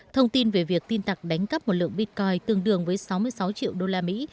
thông tin về việc tin tặc đánh cắp một lượng bitcoin tương đương với sáu mươi sáu triệu đô la mỹ